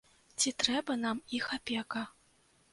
Ці трэба нам іх апека?